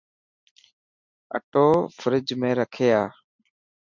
اثو فريج ۾ رکي آءِ.